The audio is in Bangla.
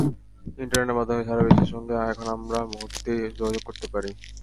ইন্টারনেটের মাধ্যমে সারা বিশ্বের সঙ্গে এখন আমরা মুহূর্তেই যোগাযোগ করতে পারি।